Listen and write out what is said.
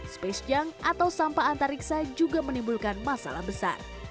space junk atau sampah antariksa juga menimbulkan masalah besar